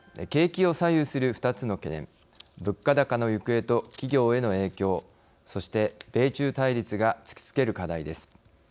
景気を左右する二つの懸念物価高の行方と企業への影響そして米中対立が突きつける課題です。